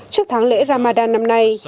trước tháng lễ ramadan năm nay